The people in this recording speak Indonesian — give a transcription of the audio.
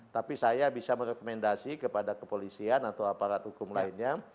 tapi saya bisa merekomendasi kepada kepolisian atau aparat hukum lainnya